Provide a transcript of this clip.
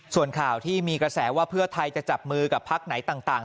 ส่วนข่าวที่มีกระแสว่าเพื่อไทยจะจับมือกับพักไหนต่าง